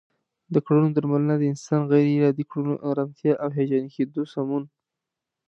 د کړنو درملنه د انسان غیر عادي کړنو، ناآرامتیا او هیجاني کیدلو سمون